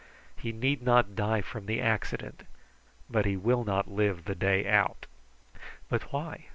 He need not die from the accident, but he will not live the day out." "But why?